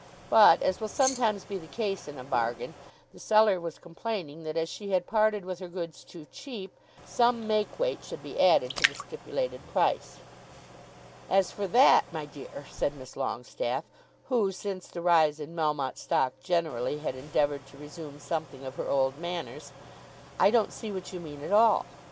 But, as will sometimes be the case in a bargain, the seller was complaining that as she had parted with her goods too cheap, some make weight should be added to the stipulated price. "As for that, my dear," said Miss Longestaffe, who, since the rise in Melmotte stock generally, had endeavoured to resume something of her old manners, "I don't see what you mean at all.